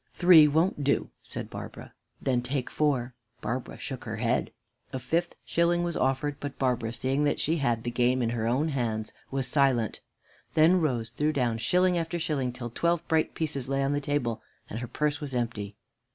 "Three won't do," said Barbara. "Then take four." Barbara shook her head. A fifth shilling was offered, but Barbara, seeing that she had the game in her own hands, was silent. Then Rose threw down shilling after shilling, till twelve bright pieces lay on the table, and her purse was empty.